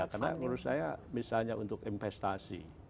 karena menurut saya misalnya untuk investasi